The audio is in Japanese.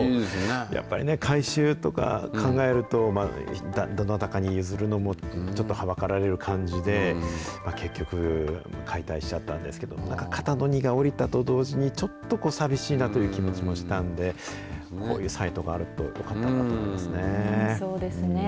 やっぱりね、改修とか考えると、どなたかに譲るのも、ちょっとはばかられる感じで、結局、解体しちゃったんですけど、なんか肩の荷が下りたと同時に、ちょっと寂しいなという気持ちもしたんで、こういうサイトがあるとよかそうですね。